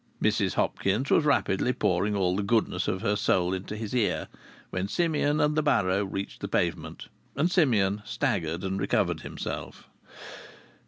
Mrs Hopkins was rapidly pouring all the goodness of her soul into his ear, when Simeon and the barrow reached the pavement, and Simeon staggered and recovered himself.